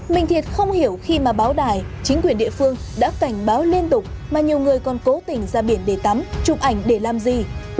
mình thiệt không hiểu khi mà báo đài chính quyền địa phương đã cảnh báo liên tục mà nhiều người còn cố tình ra biển để tắm chụp ảnh để làm gì